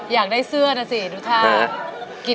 อยากได้เสื้อนะสิดูท่า